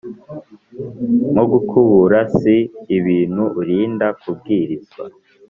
nko gukubura si ibintu urinda kubwirizwa,